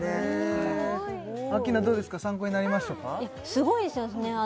すごいですよね